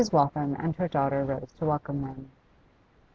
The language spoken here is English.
Waltham and her daughter rose to welcome them.